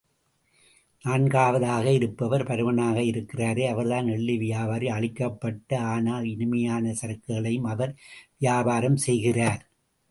நான்காவதாக இருப்பவர் பருமனாக இருக்கிறாரே அவர்தான் எள்ளு வியாபாரி அழிக்கப்பட்ட ஆனால் இனிமையான சரக்குகளையும் அவர் வியாபாரம் செய்கிறார்.